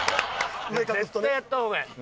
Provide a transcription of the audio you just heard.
絶対やった方がええ。